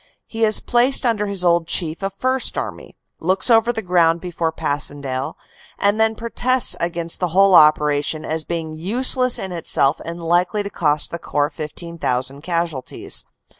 He is placed under his old chief of First Army, looks over the ground before Passchendaele and then protests against the whole operation as being useless in itself and likely to cost the Corps 15,000 casualties.